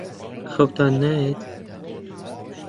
خەوتان نایەت؟